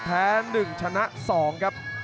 แพ้๑ชนะ๒ครับ